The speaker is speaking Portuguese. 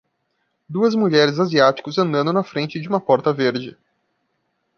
duas mulheres asiáticas andando na frente de uma porta verde